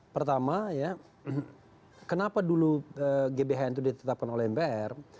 pertama ya kenapa dulu gbhn itu ditetapkan oleh mpr